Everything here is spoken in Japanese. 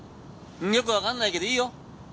よくわかんないけどいいよ！